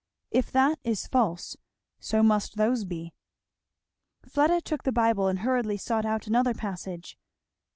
If that is false so must those be." Fleda took the Bible and hurriedly sought out another passage.